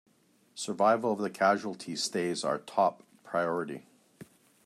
Survival of the casualties stays our top priority!